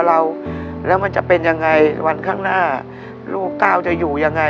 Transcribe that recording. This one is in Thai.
รายได้เป็นยังไงครับเมื่อก่อนนี้